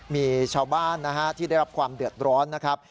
มีชาวบ้านนะฮะที่ได้รับความเดือดร้อนนะครับ